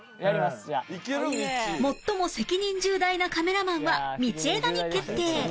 最も責任重大なカメラマンは道枝に決定